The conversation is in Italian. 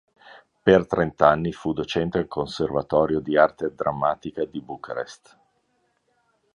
Per trent'anni fu docente al Conservatorio di arte drammatica di Bucarest.